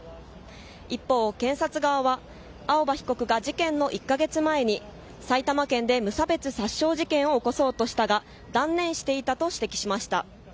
一方、検察側は青葉被告が事件の１か月前に埼玉県で無差別殺傷事件を起こそうとしたが断念していたと指摘しました。